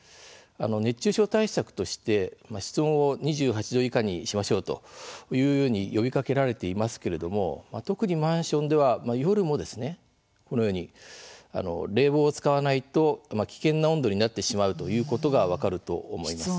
熱中症対策として室温を２８度以下にしましょうというように呼びかけられていますけれども特に、マンションでは夜も、冷房を使わないと危険な温度になってしまうということが分かると思います。